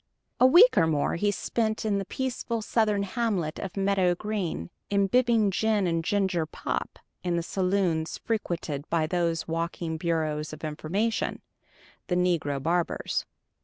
A week or more he spent in the peaceful Southern hamlet of Meadow Green, imbibing gin and ginger "pop" in the saloons frequented by those walking bureaus of information, the negro barbers.